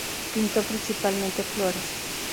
Pintó principalmente flores.